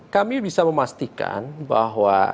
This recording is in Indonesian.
kami bisa memastikan bahwa